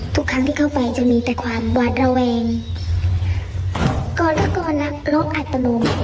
ทุกครั้งที่เข้าไปจะมีแต่ความบาดระแวงก่อนแล้วก่อนอ่ะล๊อคอัตโนม